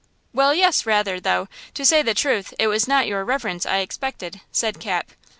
"Well, yes, rather; though, to say the truth, it was not your reverence I expected," said Cap.